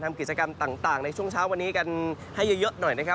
ทำกิจกรรมต่างในช่วงเช้าวันนี้กันให้เยอะหน่อยนะครับ